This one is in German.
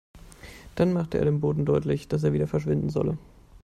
Dann machte er dem Boten deutlich, dass er wieder verschwinden solle.